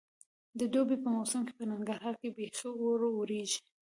د دوبي په موسم کې په ننګرهار کې بیخي اور ورېږي.